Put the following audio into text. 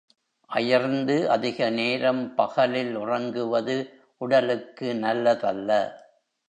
அயர்ந்து அதிக நேரம் பகலில் உறங்குவது உடலுக்கு நல்லதல்ல.